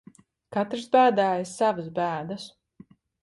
Katrs bēdājas savas bēdas.